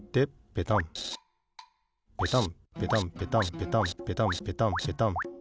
ペタンペタンペタンペタンペタンペタンペタン！